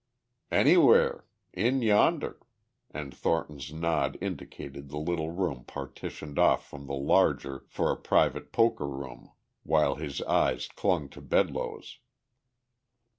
"Anywhere. In yonder," and Thornton's nod indicated the little room partitioned off from the larger for a private poker room while his eyes clung to Bedloe's.